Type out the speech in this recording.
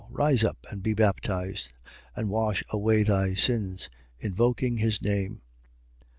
Rise up and be baptized and wash away thy sins, invoking his name.